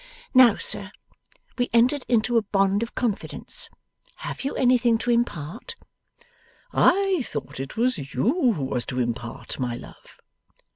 Now, sir, we entered into a bond of confidence. Have you anything to impart?' 'I thought it was you who was to impart, my love.